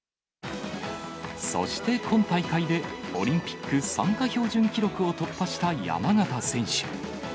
そして今大会で、オリンピック参加標準記録を突破した山縣選手。